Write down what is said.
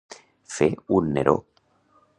Fet un Neró.